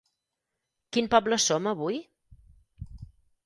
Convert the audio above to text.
Quin poble som avui?